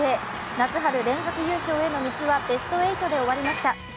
夏春連続優勝への道はベスト８で終わりました。